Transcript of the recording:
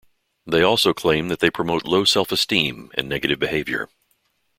They also claim that they promote low self-esteem and negative behavior.